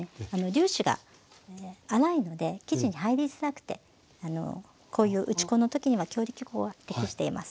粒子が粗いので生地に入りづらくてこういう打ち粉のときには強力粉は適しています。